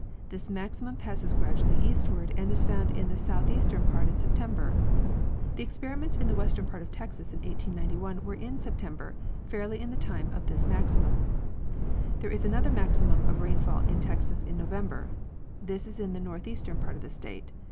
This maximum passes gradually eastward and is found in the southeastern part in September. The experiments in the western part of Texas in 1891 were in September, fairly in the time of thismaximum. 'There is another maximum of rainfall in Texas in November. This is in the northeastern part of the state.